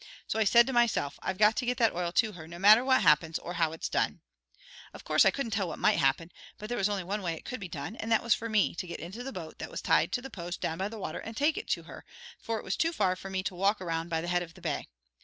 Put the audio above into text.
So I said to myself, 'I've got to get that oil to her, no matter what happens or how it's done.' Of course I couldn't tell what might happen, but there was only one way it could be done, and that was for me to get into the boat that was tied to the post down by the water, and take it to her, for it was too far for me to walk around by the head of the bay.